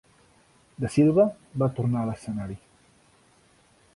Da Silva va tornar a l'escenari.